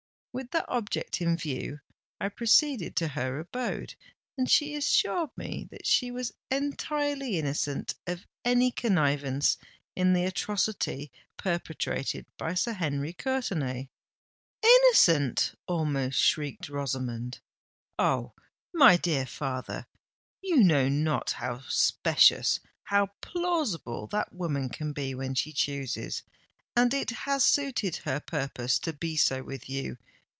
With that object in view, I proceeded to her abode; and she assured me that she was entirely innocent of any connivance in the atrocity perpetrated by Sir Henry Courtenay——" "Innocent!" almost shrieked Rosamond. "Oh! my dear father, you know not how specious—how plausible that woman can be when she chooses; and it has suited her purpose to be so with you.